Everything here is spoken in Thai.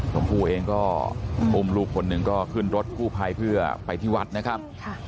ผู้เองก็อุ้มลูกคนหนึ่งก็ขึ้นรถกู้ภัยเพื่อไปที่วัดนะครับ